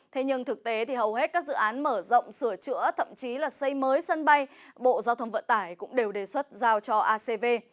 thế nhưng thực tế thì hầu hết các dự án mở rộng sửa chữa thậm chí là xây mới sân bay bộ giao thông vận tải cũng đều đề xuất giao cho acv